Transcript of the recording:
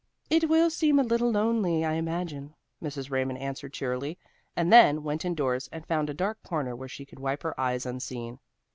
"It will seem a little lonely, I imagine," Mrs. Raymond answered cheerily, and then she went indoors and found a dark corner where she could wipe her eyes unseen.